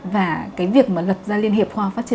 và cái việc mà lập ra liên hiệp khoa phát triển